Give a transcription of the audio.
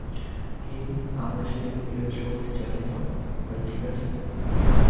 হেই, আমরা ফিরে আসা অব্ধি চালিয়ে যাও, ভাই, ঠিক আছে?